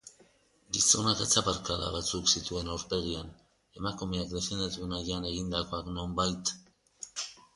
Gizonak atzaparkada batzuk zituen aurpegian, emakumeak defendatu nahian egindakoak, nonbait.